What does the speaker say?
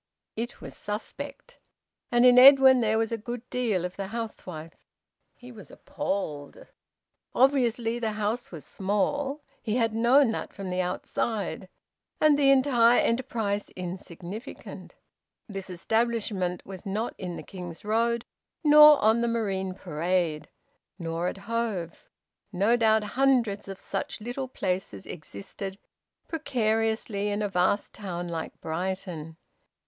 It was suspect. And in Edwin there was a good deal of the housewife. He was appalled. Obviously the house was small he had known that from the outside and the entire enterprise insignificant. This establishment was not in the King's Road, nor on the Marine Parade, nor at Hove; no doubt hundreds of such little places existed precariously in a vast town like Brighton.